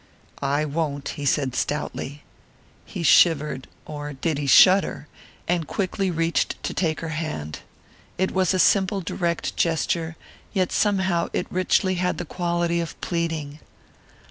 "I won't," he said stoutly. He shivered or did he shudder? and quickly reached to take her hand. It was a simple, direct gesture, yet somehow it richly had the quality of pleading.